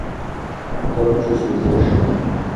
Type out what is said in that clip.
Хуабжьу созэш…